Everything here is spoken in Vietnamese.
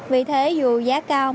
vì thế dù giá cây bưởi đẹp